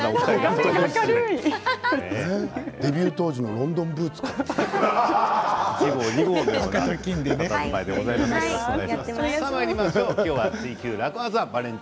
デビュー当時のロンドンブーツかと思いました。